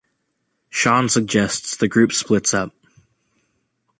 Shawn suggests the group splits up.